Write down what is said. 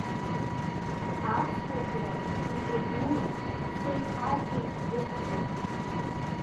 Аԥсуа жәлар хәыҷи-дуи, ҳәсеи-хацәеи ықәгылт.